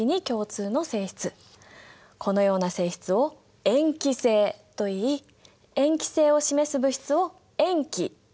このような性質を塩基性といい塩基性を示す物質を塩基というんだ。